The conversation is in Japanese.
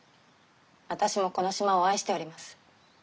私もこの島を愛しております。